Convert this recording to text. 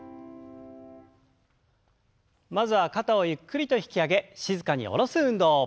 まずは肩をゆっくりと引き上げ静かに下ろす運動。